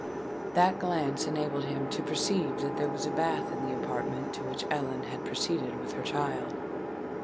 That glance enabled him to perceive that there was a bath in the apartment to which Ellen had proceeded with her child.